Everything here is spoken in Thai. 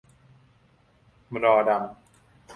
มรอดัม